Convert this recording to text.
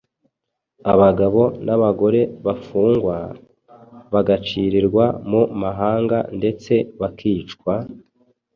abagabo n’abagore bafungwa, bagacirirwa mu mahanga ndetse bakicwa,